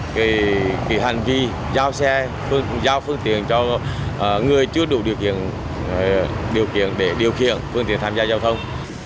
cái hành vi giao xe giao phương tiện cho người chưa đủ điều khiển để điều khiển phương tiện tham gia giao thông